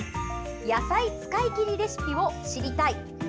「野菜使い切りレシピを知りたい！」です。